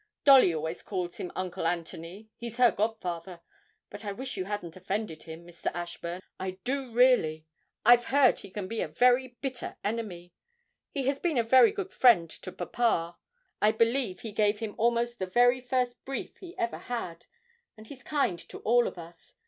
Dolly always calls him Uncle Anthony he's her godfather. But I wish you hadn't offended him, Mr. Ashburn, I do really. I've heard he can be a very bitter enemy. He has been a very good friend to papa; I believe he gave him almost the very first brief he ever had; and he's kind to all of us.